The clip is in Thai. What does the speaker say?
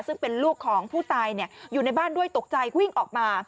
ซึ่งเป็นลูกของผู้ตายอยู่ในบ้านด้วยตกใจวิ่งออกมา